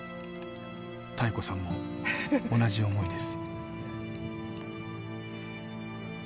妙子さんも同じ思いです。